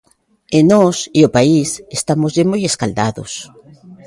E nós e o país estámoslle moi escaldados.